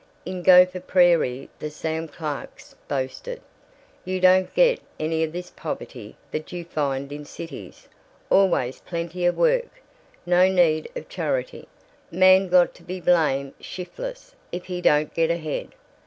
In Gopher Prairie, the Sam Clarks boasted, "you don't get any of this poverty that you find in cities always plenty of work no need of charity man got to be blame shiftless if he don't get ahead."